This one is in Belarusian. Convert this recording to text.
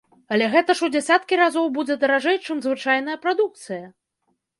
Але гэта ж у дзясяткі разоў будзе даражэй, чым звычайная прадукцыя!